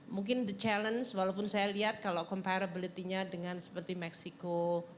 mungkin the challenge walaupun saya lihat kalau comparabiltinya dengan seperti mexico brazil atau even turkey